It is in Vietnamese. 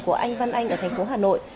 của anh văn anh ở thành phố hà nội